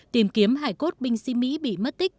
tìm kiếm hải cốt binh sĩ mỹ bị mất tích